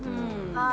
はい。